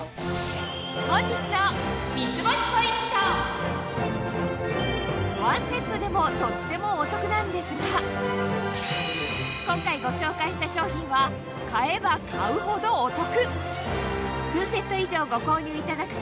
本日のワンセットでもとってもお得なんですが今回ご紹介した商品は買えば買うほどお得！